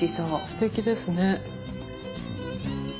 すてきですね。